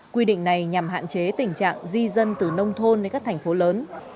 quy định này nhằm hạn chế tình trạng di dân từ nông thôn đến các thành phố lớn